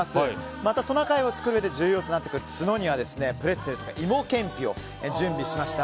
また、トナカイを作るうえで重要になってくる角にはプレッツェルとか芋けんぴを準備しました。